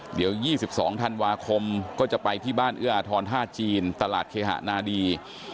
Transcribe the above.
เดี๋ยว๒๒ธันวาคมก็จะไปที่บ้านเอื้ออาทรท่าจีนตลาดเคหะนาดี